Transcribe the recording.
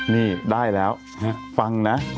นี่ได้แล้วฟังนะ